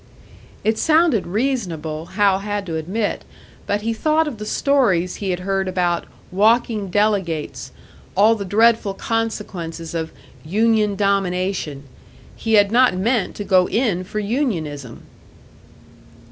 It sounded reasonable, Hal had to admit; but he thought of the stories he had heard about "walking delegates," all the dreadful consequences of "union domination." He had not meant to go in for unionism!